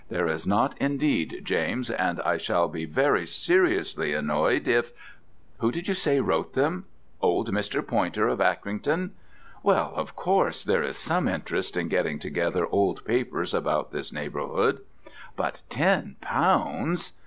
There is not, indeed, James, and I shall be very seriously annoyed if . Who did you say wrote them? Old Mr. Poynter, of Acrington? Well, of course, there is some interest in getting together old papers about this neighbourhood. But Ten Pounds!"